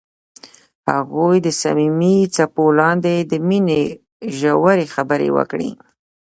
هغوی د صمیمي څپو لاندې د مینې ژورې خبرې وکړې.